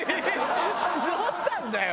どうしたんだよ？